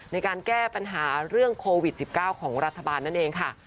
ในการแก้ปัญหาเรื่องโควิด๑๙ของรัฐบาลนั่นเองค่ะ